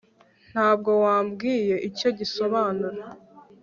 nta bwo wambwiye icyo gisobanura